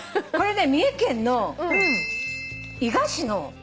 これね三重県の伊賀市の。